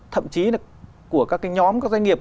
thậm chí là của các cái nhóm các doanh nghiệp